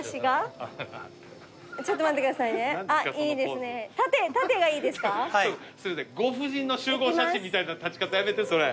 すいませんご婦人の集合写真みたいな立ち方やめてそれ。